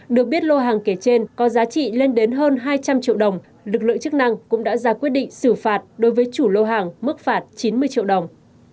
được biết lô hàng kể trên có giá trị lên đến hơn hai trăm linh triệu đồng lực lượng chức năng cũng đã ra quyết định xử phạt đối với chủ lô hàng mức phạt chín mươi triệu đồng